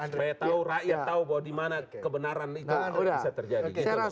supaya tahu rakyat tahu bahwa di mana kebenaran itu bisa terjadi